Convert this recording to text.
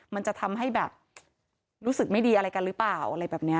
มันจะทำให้แบบรู้สึกไม่ดีอะไรกันหรือเปล่าอะไรแบบนี้